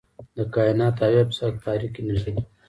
د کائنات اويا فیصده تاریک انرژي ده.